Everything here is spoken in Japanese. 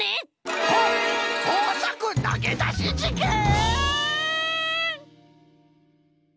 ここうさくなげだしじけん！？